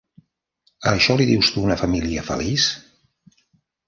A això li dius tu una família feliç?